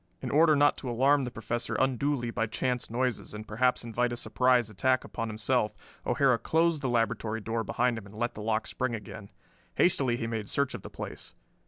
In order not to alarm the Professor unduly by chance noises and perhaps invite a surprise attack upon himself, O'Hara closed the laboratory door behind him and let the lock spring again. Hastily he made search of the place.